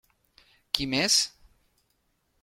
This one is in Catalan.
Qui més?